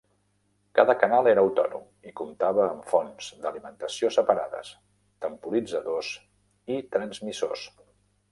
Cada canal era autònom i comptava amb fonts d'alimentació separades, temporitzadors i transmissors.